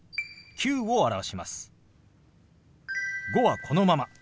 「５」はこのまま。